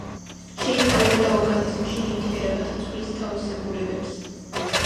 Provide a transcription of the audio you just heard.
შეისწავლიდა ორგანიზმში ნივთიერებათა ცვლის თავისებურებებს.